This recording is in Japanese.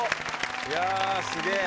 いやすげえ。